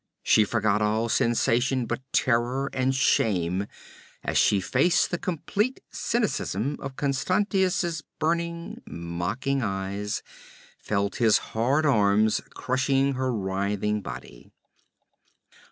She forgot all sensations but terror and shame as she faced the complete cynicism of Constantius's burning, mocking eyes, felt his hard arms crushing her writhing body.